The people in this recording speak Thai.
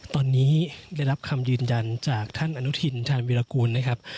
ตอนนี้ได้รับคำยืนยันจากท่านอนุทินชาญวิรากูลนะครับ